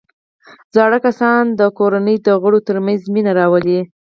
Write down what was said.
زاړه کسان د کورنۍ د غړو ترمنځ مینه راولي